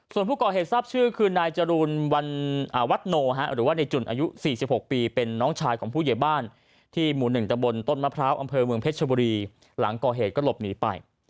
ส่วนผู้ก่อเหตุทราบชื่อคือนายจรูลวันโนหรือว่าในจุ่นอายุ๔๖ปีเป็นน้องชายของผู้ใหญ่บ้านที่หมู่๑ตะบนต้นมะพร้าวอำเภอเมืองเพชรชบุรีหลังก่อเหตุก็หลบหนีไป